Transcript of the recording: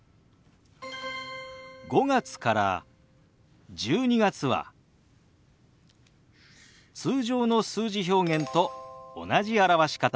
５月から１２月は通常の数字表現と同じ表し方です。